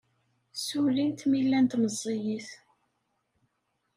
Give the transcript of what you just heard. Ssullint mi llant meẓẓiyit.